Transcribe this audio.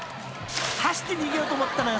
［走って逃げようと思ったのよ